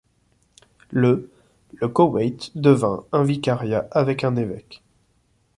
Le le Koweït devient un vicariat avec un évêque.